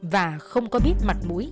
và không có biết mặt mũi